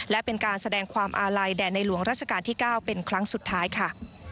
และเป็นการแสดงความอาลัยแด่ในหลวงราชการที่๙เป็นครั้งสุดท้ายค่ะ